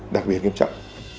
đặc biệt nghiêm trọng